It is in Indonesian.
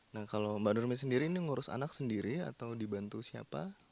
nah kalau mbak nurmi sendiri ini ngurus anak sendiri atau dibantu siapa